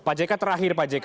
pak jk terakhir pak jk